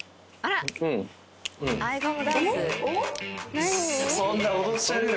何？